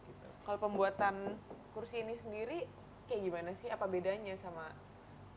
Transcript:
kalau pembuatan kursi ini sendiri kayak gimana sih apa bedanya sama kursi